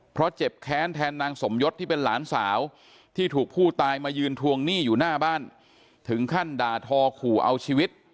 เพราะเจ็บแค้นแทนนางสมยศที่เป็นหลานสาวที่ถูกผู้ตายมายืนทวงหนี้อยู่หน้าบ้านถึงขั้นด่าทอขู่เอาชีวิต